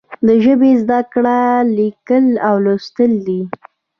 د ژبې زده کړه لیکل او لوستل دي.